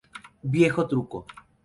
Viejo truco...".